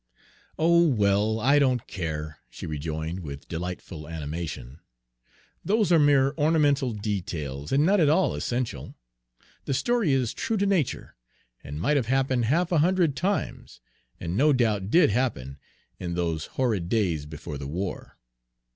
"Oh, well, I don't care," she rejoined, with delightful animation; "those are mere ornamental details and not at all essential. The story is true to nature, and might have happened half a hundred times, and no doubt did happen, in those horrid days before the war."